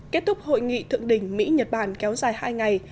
kết thúc hội nghị thượng đỉnh mỹ nhật bản kéo dài hai ngày